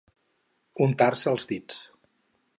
Untar-se els dits.